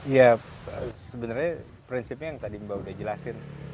ya sebenarnya prinsipnya yang tadi mbak udah jelasin